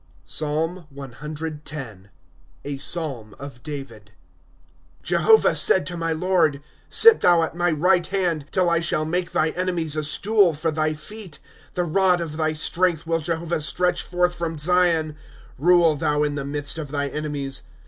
PSALM ex. A Psalm of David. ^ Jehovah said to my Lord : Sit thou at my right hand, Till I shall make thy enemies a stool for thy feet. ^ The rod of thy strength will Jehovah stretch forth from Zion ; Rule thou in the midst of thy enemies.